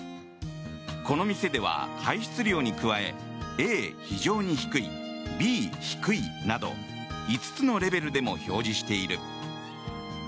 この店では、排出量に加えＡ、非常に低いＢ、低いなど５つのレベルでも表示している。